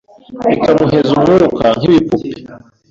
bikamuheza umwuka nk’ibipupe